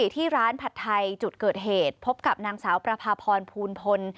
ที่ร้านผัดไทยจุดเกิดเหตุพบกับนางสาวประพาพรภูณพล